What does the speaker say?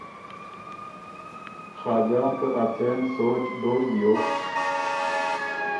خاجان که ا څېن سوچ دوک بیوک